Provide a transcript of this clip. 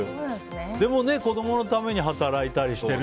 でも、子供のために働いたりしてる。